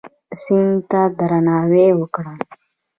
سیند ته درناوی وکړه.